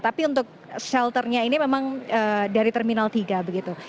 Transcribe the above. tapi untuk shelternya ini memang dari terminal tiga begitu